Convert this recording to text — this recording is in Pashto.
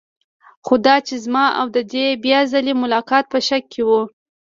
خو دا چې زما او د دې بیا ځلې ملاقات په شک کې و.